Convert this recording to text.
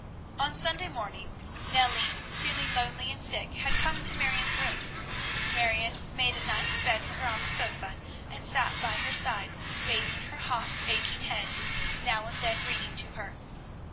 On Sunday morning Nellie, feeling lonely and sick, had come to Marion's room. Marion made a nice bed for her on her sofa, and sat by her side bathing her hot, aching head, now and then reading to her.